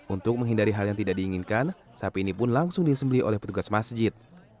untuk menghindari hal yang tidak diinginkan sapi ini pun langsung disembeli oleh petugas masjid